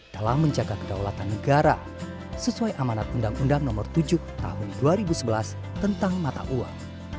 dalam menjaga kedaulatan negara sesuai amanat undang undang nomor tujuh tahun dua ribu sebelas tentang mata uang